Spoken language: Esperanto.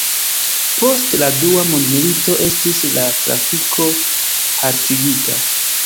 Post la Dua mondmilito estis la trafiko haltigita.